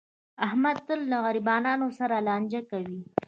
احمد تل له غریبانو سره لانجه کوي.